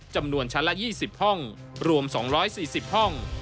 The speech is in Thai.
จำนวนชั้นละ๒๐ห้องรวม๒๔๐ห้อง